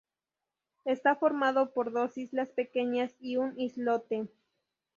Está formado por dos islas pequeñas y un islote.